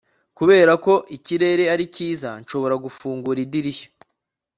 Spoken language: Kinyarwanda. kubera ko ikirere ari cyiza, nshobora gufungura idirishya